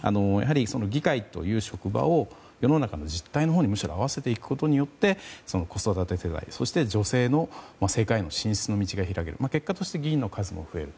議会という職場をむしろ世の中の実態に合わせていくことによって子育て世代、そして女性の政界への進出の道が開ける、結果として議員の数が増える。